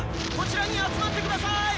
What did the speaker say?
こちらに集まって下さい！